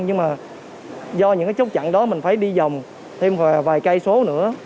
nhưng mà do những cái chốt chặn đó mình phải đi dòng thêm vài cây số nữa